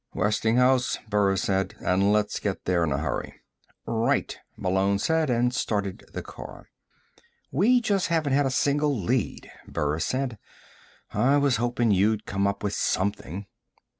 "Westinghouse." Burris said. "And let's get there in a hurry." "Right," Malone said, and started the car. "We just haven't had a single lead," Burris said. "I was hoping you'd come up with something.